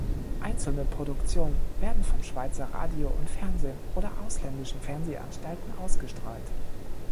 Einzelne Produktionen werden vom Schweizer Radio und Fernsehen oder ausländischen Fernsehanstalten ausgestrahlt.